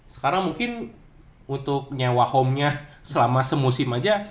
sekarang mungkin untuk nyawa homenya selama semusim aja